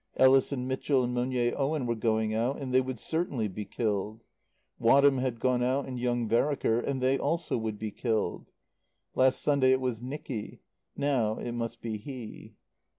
Ellis and Mitchell and Monier Owen were going out and they would certainly be killed. Wadham had gone out and young Vereker, and they also would be killed. Last Sunday it was Nicky. Now it must be he.